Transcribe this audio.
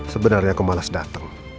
sebenarnya aku malas datang